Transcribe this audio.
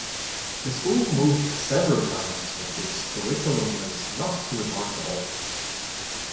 The school moved several times and its curriculum was not too remarkable.